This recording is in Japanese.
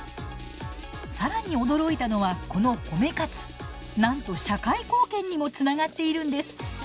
更に驚いたのはこの褒め活なんと社会貢献にもつながっているんです。